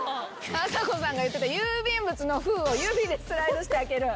あさこさんが言ってた郵便物の封を指でスライドして開ける。